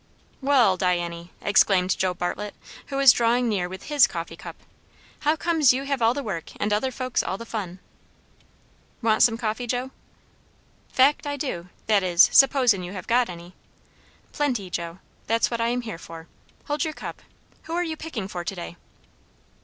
"Wall, Diany," exclaimed Joe Bartlett, now drawing near with his coffee cup, "how comes you have all the work and other folks all the fun?" "Want some coffee, Joe?" "Fact, I do; that is, supposin' you have got any." "Plenty, Joe. That's what I am here for. Hold your cup. Who are you picking for to day?"